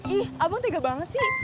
ih abang tega banget sih